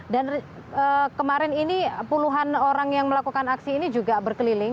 dan kemarin ini puluhan orang yang melakukan aksi ini juga berkeliling